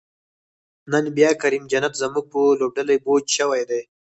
نن بیا کریم جنت زمونږ په لوبډلی بوج شوی دی